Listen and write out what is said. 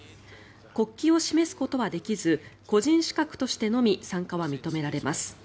国旗を示すことはできず個人資格としてのみ参加は認められます。